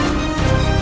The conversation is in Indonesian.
aku tidak peduli